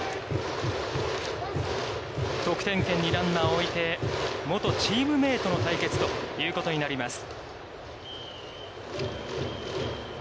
得点圏にランナーを置いて、元チームメートの対決ということになります。